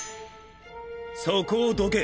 そこをどけ。